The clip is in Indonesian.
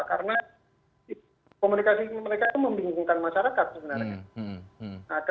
karena komunikasi mereka itu membingungkan masyarakat sebenarnya